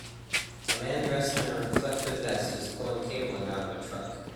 A man dressed in a reflective vest is pulling cabling out of a truck.